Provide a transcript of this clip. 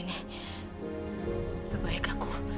lebih baik aku